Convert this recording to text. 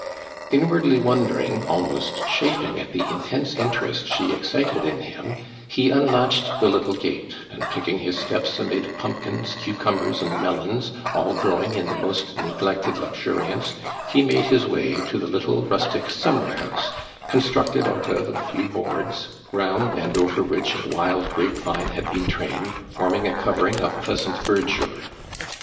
Inwardly wondering, almost chafing at the intense interest she excited in him, he unlatched the little gate, and picking his steps amid pumpkins, cucumbers and melons, all growing in the most neglected luxuriance, he made his way to the little rus tic simimer house, constructed out of a few boards, round and over which a wild grape vine had been trained, forming a covenng of pleasant verdure.